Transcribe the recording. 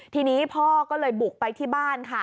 ทีนี้พ่อก็เลยบุกไปที่บ้านค่ะ